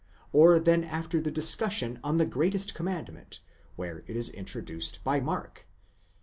40), or than after the ora on the greatest commandment, where it is introduced by Mark (xii.